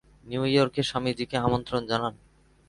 New ইয়র্কে স্বামীজীকে আমন্ত্রণ জানান।